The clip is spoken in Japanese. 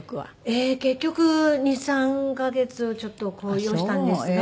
結局２３カ月ちょっとを要したんですが。